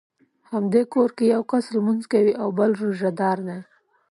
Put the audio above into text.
همدې کور کې یو کس لمونځ کوي او بل روژه دار دی.